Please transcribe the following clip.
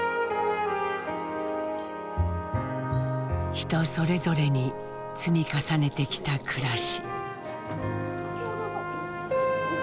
人それぞれに積み重ねてきた暮らし。